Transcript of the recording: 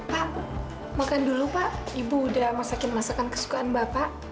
pak makan dulu pak ibu udah masakin masakan kesukaan bapak